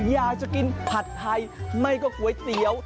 อยากจะกินผัดไทยไม่ก็ก๋วยเตี๋ยว